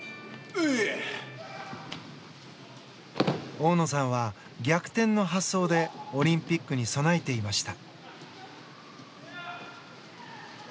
大野さんは逆転の発想でオリンピックに備えていました。